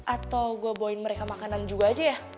atau gue boin mereka makanan juga aja ya